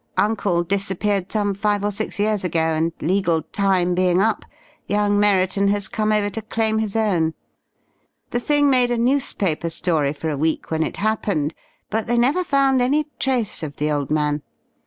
Uncle disappeared some five or six years ago and legal time being up, young Merriton has come over to claim his own. The thing made a newspaper story for a week when it happened, but they never found any trace of the old man.